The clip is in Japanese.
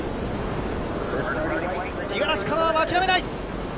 五十嵐カノアは諦めない。